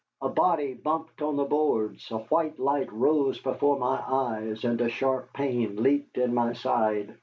A body bumped on the boards, a white light rose before my eyes, and a sharp pain leaped in my side.